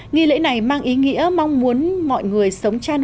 nghị lễ này mang ý nghĩa mong muốn mọi người sống chan hóa